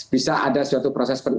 bisa ada suatu proses